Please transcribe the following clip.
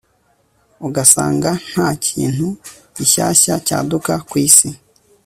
ugasanga nta kintu gishyashya cyaduka ku isi